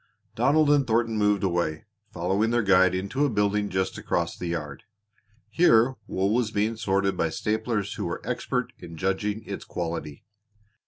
Donald and Thornton moved away, following their guide into a building just across the yard. Here wool was being sorted by staplers who were expert in judging its quality.